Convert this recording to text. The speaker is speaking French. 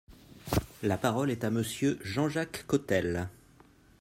La parole est à Monsieur Jean-Jacques Cottel.